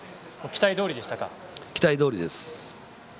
期待どおりです。